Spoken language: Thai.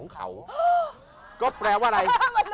ก็แปลว่าไร